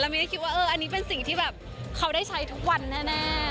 ไม่ได้คิดว่าเอออันนี้เป็นสิ่งที่แบบเขาได้ใช้ทุกวันแน่